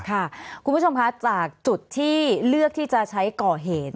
คุณผู้ชมคะจากจุดที่เลือกที่จะใช้ก่อเหตุ